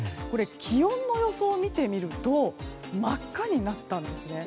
気温の予想を見てみると真っ赤になったんですね。